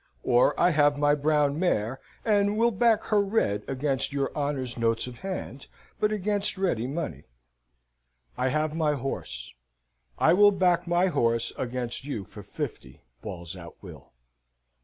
"Or I have my brown mare, and will back her red against your honour's notes of hand, but against ready money." "I have my horse. I will back my horse against you for fifty," bawls out Will.